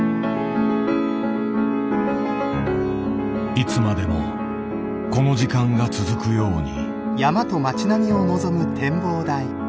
いつまでもこの時間が続くように。